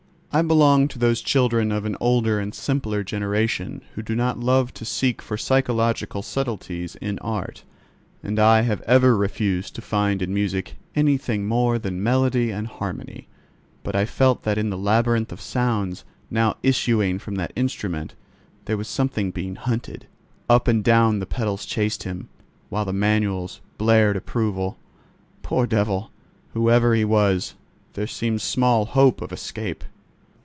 I belong to those children of an older and simpler generation who do not love to seek for psychological subtleties in art; and I have ever refused to find in music anything more than melody and harmony, but I felt that in the labyrinth of sounds now issuing from that instrument there was something being hunted. Up and down the pedals chased him, while the manuals blared approval. Poor devil! whoever he was, there seemed small hope of escape!